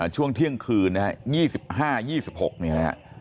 ช่วงเที่ยงคืนเนี่ย๒๕๒๖